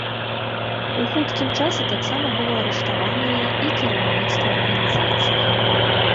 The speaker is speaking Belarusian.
У хуткім часе таксама было арыштаванае і кіраўніцтва арганізацыі.